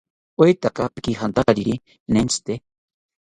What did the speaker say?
¿Oetaka pikijantakariri nentzite?